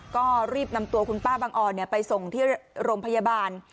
ก็รีบนำตัวคุณป้าบังออนไปส่งที่โรงพยาบาล